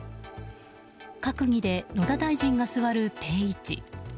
閣議で野田大臣が座る定位置。